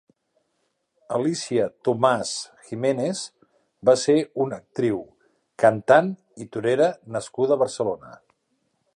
Alicia Tomás Jiménez va ser una actriu, cantant i torera nascuda a Barcelona.